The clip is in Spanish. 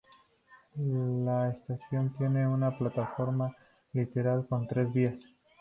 La estación tiene una plataforma lateral con tres vías.